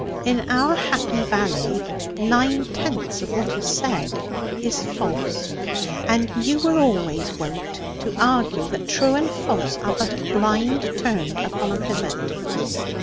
In our happy valley, nine tenths of what is said is false; and you were always wont to argue that true and false are but a blind turned upon a pivot.